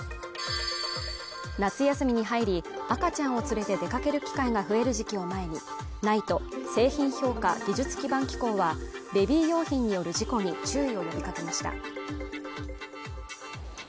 夏休みに入り赤ちゃんを連れて出かける機会が増える時期を前にＮＩＴＥ＝製品評価技術基盤機構はベビー用品による事故に注意を呼びかけました